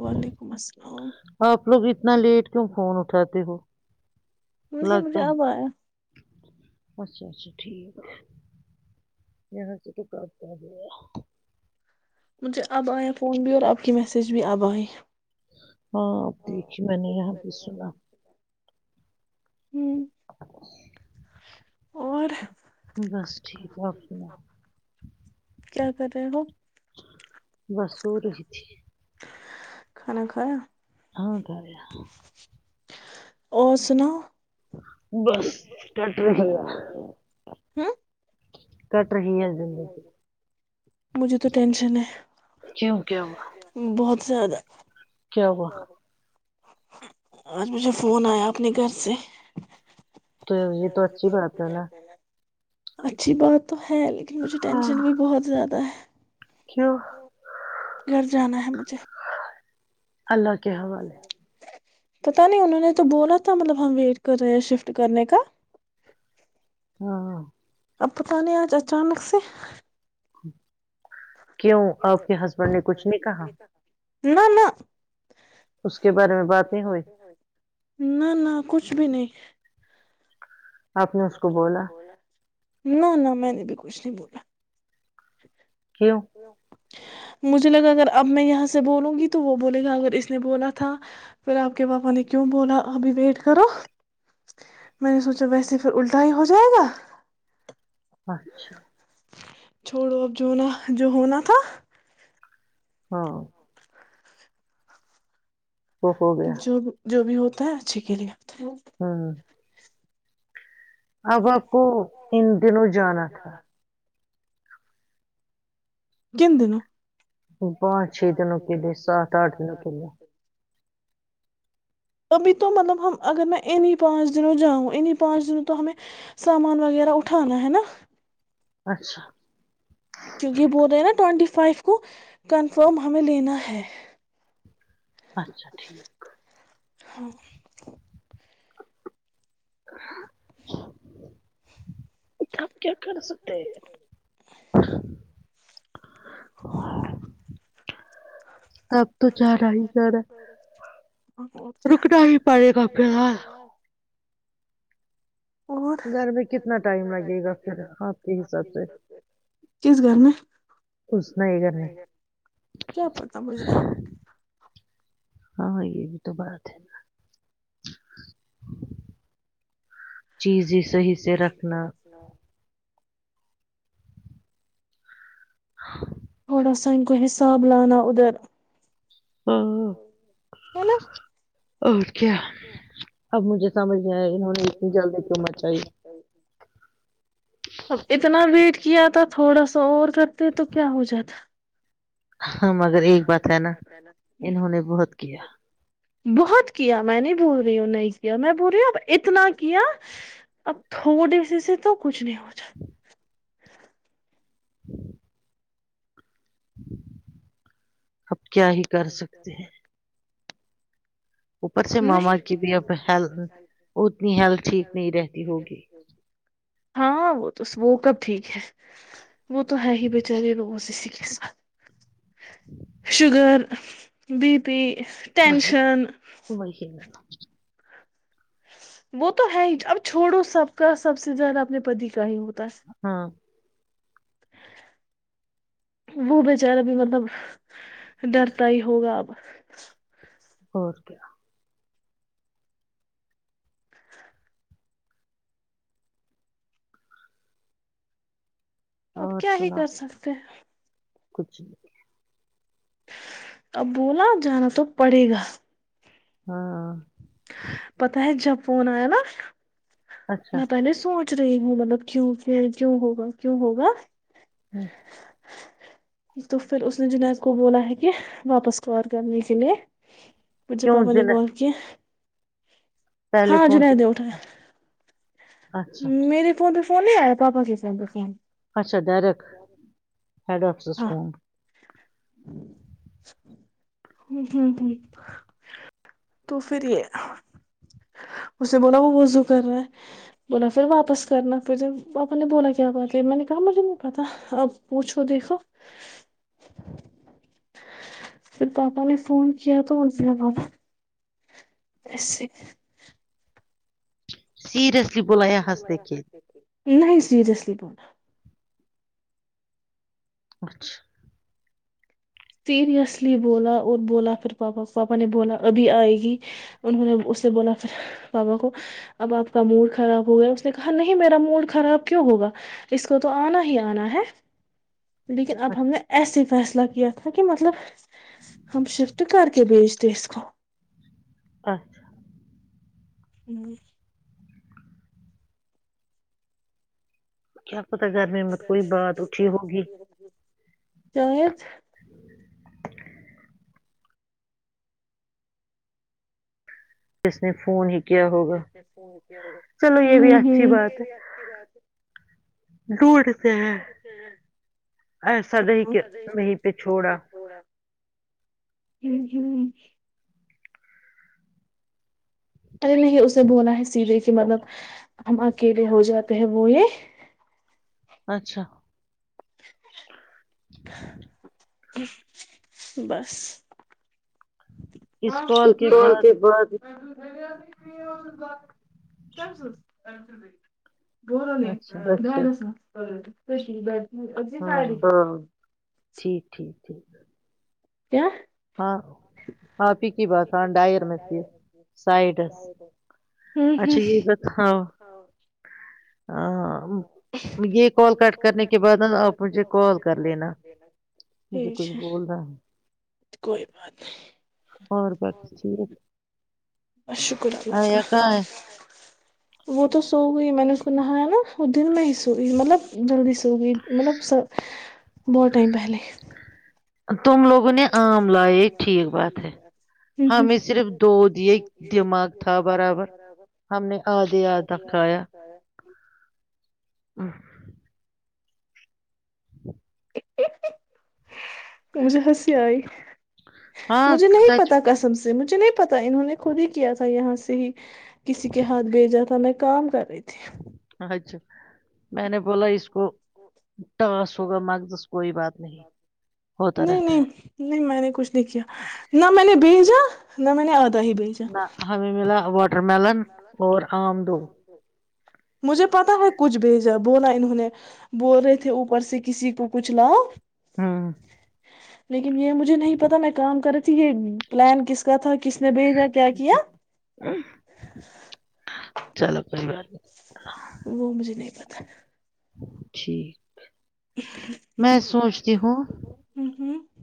وعلیکم السلام اتنا لیٹ کیوں فون اٹھاتے ہو نہیں مجھے اب آیا اچھا اچھا ٹھیک ہے یہس تو کرتا گ مجھے اب آیا فون بھی اور اب کی میسیج بھی اب آئی ہاں اب دیکھی میں نے یہاں بھی سنا ہوں اور جٹھیک سپ سنا کیا کر رہے ہو وسو رہی تھی کھانا کھایا ہاں گہ اور سنا بس کٹ رہی ہے کٹ رہی ہے زندگی کیوں کیا وا زیادہ کیا ہوا آج مجھے فون آیا اپنے گھر سے تو یہ تو اچھی بات ہے نا اچھی بات تو ہے لیکن ت م میں ٹنشن بھی بہت زیادہ کیوں؟ جانا ہے مجھے اللہ کے حوالے پتا نہیں انہوں نے تو بولا تھا مطلب ہم ویٹ کر رہے ہیں شفٹ کرنے کا ہاں اب توکانے آج اچانک سے ہ کیوں آپ کے ہسبینڈ نے کچھ نہیں کہا؟ نہ نہ [unintelligible] نہ نہ کچھ بھی نہیں آپ نے اس کو بولا نہ نہ میں نے بھی کچھ نہیں بولا کیوں [inaudible] مجھے لگا اگر اب میں یہاں سے بولوں گی تو وہ بولے گا اگر اس نے بولا تھا پھر آپ کے پاپا نے کیوں بولا ابھی ویٹ کرو میں نے سوچا ویسے پھر الٹا ہی ہو جائے گا اچھا چھوڑو اب جو ہونا جو ہونا تھا ہاں جو جو بھی ہوتا [unintelligible] ت اچھی کے لیے [unintelligible] ہاں اب آپ کو ان دنوں جانا تھا کن دن بانچ چھ دنوں کیلے سات آٹھ دن کیلے ابھی تو مطلب ہم اگر میں انہیں پانچ دنوں جاؤں انہیں پانچ دنوں تو ہمیں سامان وغیرہ اٹھانا ہے نا کیونکہ ب [unintelligible] نا ٹوینٹی فائیو کو کنفرم ہمیں لینا ہے اچھا ٹھیک ہاں ا [unintelligible] کیا کانستے ہ [unintelligible] کیا [unintelligible] [inaudible] گھر میں کتنا ٹائم لگے گا پھر آپ کے حساب سے کوھنا ہے گھر میں ہاں یہ بھی تو بات ہے نا چیزیں صحیح سے رکھنا ہاں [inaudible] تھوڑا سا ان کو حساب لانا ادھر ہاں اور کیا ج مت [unintelligible] اب اتنا بھیٹ [unintelligible] کیا تھا تھوڑا سا اور کرتے تو کیا ہو جاتا ہاں مگر ایک بات ہے نا انہوں نے بہت کیا بہت کیا میں نہیں بول رہی ہوں نہیں کیا میں بول رہی اب اتنا کیا اب تھوڑے سی سے تو کچھ نہیں ہو جات ہوں [inaudible] کیا ہی کر سکتے ہیں اوپر سے ماما کی بھی اب ہیل اتنی ہیلتھ ٹھیک نہیں رہتی ہوگی ہاں وہ تو وہ کب ٹھیک ہے وہ تو ہے ہی بیچارے low sugar B P tension کہ وہ تو ہے ہی اب چھوڑو سب کا سب سے زیادہ اپنے پتی کا ہی ہوتا ہاں وہ بچارہ بھی مطلب ڈرتا ہی ہوگا اب اور کیا اب کیا ہی کر سکتے ہیں کچھ اب بولا جانا تو پڑے گا ہاں پت آ ہے جاپون آیا میں پہے سوچ سچ رہے ہو مطلب کیوں کی ہوگا کیوں ہوگا ہوں تو پھر اس نے جنید کو بولا ہے کہ واپس کال کرنے کے لیے بھے پاپن یہ ولف کیہ ہاں جنید اٹھا ہے میرے فون پنے آ ہے تو آپ ساتے سے اچھا دیرک ہیڈ آف فون ہ ہ ہ تو پھر یہ اسے بولا وہ وزو کر رہا ہے بولا پھر واپس کرنا پھر پاپا نے بولا کیا میں نے کہا مجھے نہیں پتا اب پوچھو دیکھو پھر پاپا نے فون کیا تو سیا بس اسس نہیں سیریئسلی بنا اچھا سیریئسلی بولا اور بولا پھر پاپا کو پاپا نے بولا ابھی آئے گی انہوں نے اس نے بولا پھر پاپا کو اب آپ کا موڈ خراب ہو گیا اس نے کہا نہیں میرا موڈ خراب کیوں ہوگا اس کو تو آنا ہی آنا ہے لیکن اب ہم نے ایسے فیصلہ کیات کہ مطلب ہم شفٹ کر کے بیچ دس کو اچھا ہی کیاچ چیت اس نے فون ہیک ہوں ہ دور سے ہے ایسا نہیں کہ وہیں پہ چھوڑا جی ہی ارے نہیں اسے بولا ہے سیدھے کہ مطلب ہم اکیلے ہو جاتے ہیں وہ یہ اچھا چف بس پتکال کے بعد فخف بولو نہیں نس اور ک بی اھی سا ٹھیک ہے ہاں ہاں پ کی بات ہاں ڈائر میں سے سائڈس اچھا یہی بت ہاں یہ کال کٹ کرنے کے بعد نا آپ مجھے کال کر لینا مجھے کچھ بولنا ہے اور بس ٹھیک بس شکر اللہ کا وہ تو سو وہئی میں اس کو نہا نا وہ دن میں ہی سو مطلب جلدی س گئی مطلب س بہت ٹائم پہلے تا ہ مجھے ہسی آئی مجھے نہیں پتا کسم سے س مج ج پتا انہوں نے خود ہی کیا تھا یہاں سے صحی کسی کے ہاتھ بھی جا تھا میں کام کر [unintelligible] تتی میں نے بولا اس کو ٹاس ہوگا مگدس کوئی بات نہیں ہوتا رہتا ہے کچھ نہیں کیا نہ میں نے بھیجا نہ میں نے آدا [unintelligible] نہ ہمیں ملا واٹ اور مجھے پتا ہے کچھ بھیجا بولا انہوں نے بول رہے تھے اوپر سے کسی کو کچھ لاؤ ہاں یہ مجھے نہیں پتا میں کام کر رہ [unintelligible] یہ پلان کس کا تھا کہ [unintelligible] کس نے بھیجا کیا کیا [unintelligible] چلو پریار [unintelligible] وہ مج نہیں پت جی میں سوچتی ہوں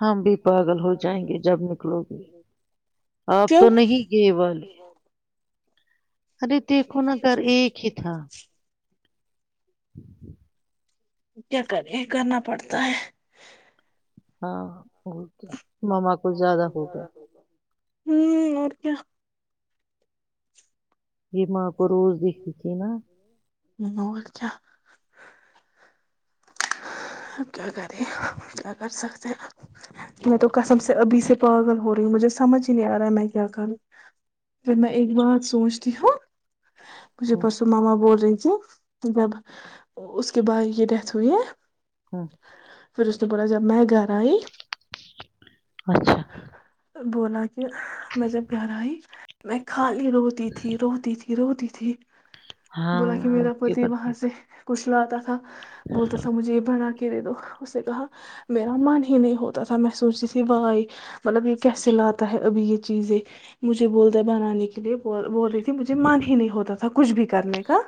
ہم بھی پاگل ہو جائیں گے جب نکلو گے آپ تو نہیں گے والے ارے دیکھو نا گھر ایک ہی تھا [inaudible] کیا کرے کرنا پڑتا ہے ہاں وہ کیا مما کھ زیادہ ہوگا [unintelligible] ہوں اور کیا یہ مپ پروز دیک تھی نا [inaudible] اب کیا کرے کیا کر سکتے میں تو کسم سے ابھی سے پاگل ہو رہی ہوں مجھے سمجھ ہی نہیں آ رہا ہے میں کیا کروں پ میں ایک بات سوچتی ہوں مجھے پسو ماما بول رہی تھھی جب اس کے بعد یہ ڈیتھ ہوئی ہے ہمم پھر اس نے بولا جب میں گھر آئی اچھا بولا کہ میں جب گھر آئی میں خالی روتی تھی روتی تھی کی روتی تھی بولا کہ میرا پتی وہاں سے کچلاتا تھا بولتا سب مجھے یہ بنا کے دے دو اس نے کہا میرامان ہی نہیں ہو تھا میں سوچتی تھی وائی مطلب یہ کیسے لاتا ہے ابھی یہ چیزیں مجھے بولتا بنانے کے لیے بول تھی مجھے مان ہی نہیں ہوتا تھا کچھ بھی کرنے کا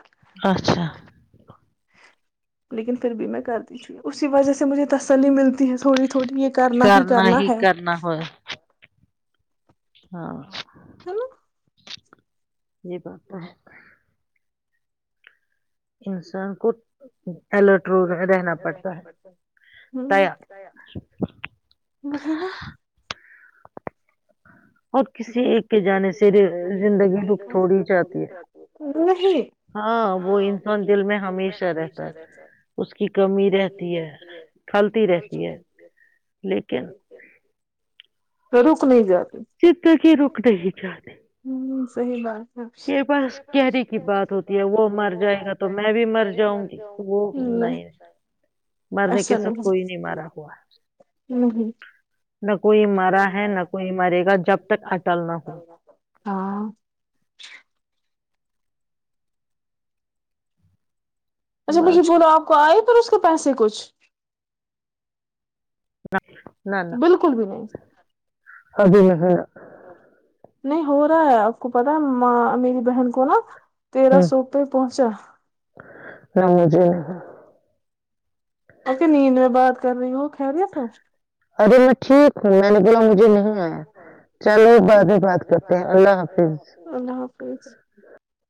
لیکن پھر بھی میں کر دی تھی اسی وجہ سے مجھے سلی ملتی ہے تھوڑی تھوڑی یہ کرنا ہی کرنا ہے ہاں ہے نا یہ بات ہے انسان کو الرٹ روڈ میں رہنا پڑتا ہے تیار [inaudible] اور کسی ایک کے جانے سے زندگی بھک تھوڑی جاتی ہے ہاں وہ انسان دل میں ہمیشہ رہتا ہے اس کی کمی رہتی ہے پھلتی رہتی ہے لیکن رک نہیں جاتی زندگی رک نہیں جاتی صحیح بات یہ بس کہری کی بات ہوتی ہے وہ مر جائے گا تو میں بھی مر جاؤں گی وہومنا ہے مرنے کے سکھ کوئی نہیں مارا ہوا نہ کوئی مارا ہے نہ کوئی مرے گا جب تک اٹل نہ ہو اچھا مجھے بولو آپ کو آئے پھر اس تو پیسے کچھ [inaudible] بالکل بھی نہیں ا ہ [inaudible] ج [inaudible] نہیں ہو رہا ہے آپ کو پتا ہےاں میری بہن کو نا [unintelligible] تیرا سوپے پہنچا [unintelligible] اے نیند میں بات کر رہی ہووں تو [unintelligible] ارے میں ٹھیک ہوں میں نے بولا مجھے نہیں آیا چلو بعد میں بات کرتے ہیں اللہ حافظ [unintelligible]